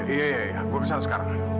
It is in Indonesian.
iya iya iya gue kesana sekarang